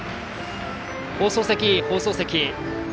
放送席、放送席。